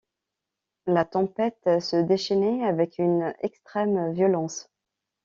La tempête se déchaînait avec une extrême violence.